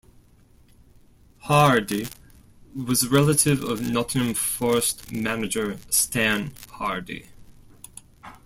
Hardy was a relative of Nottingham Forest manager Stan Hardy.